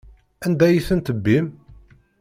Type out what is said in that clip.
Anda ay ten-tebbim?